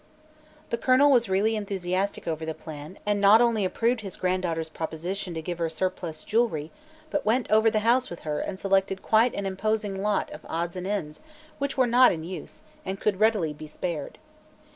The Colonel was really enthusiastic over the plan and not only approved his granddaughter's proposition to give her surplus jewelry but went over the house with her and selected quite an imposing lot of odds and ends which were not in use and could readily be spared.